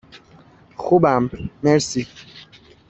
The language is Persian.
خوبم، مرسی.